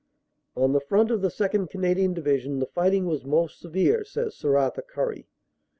"On the front of the 2nd. Canadian Division the fighting was most severe," savs Sir Arthur Currie.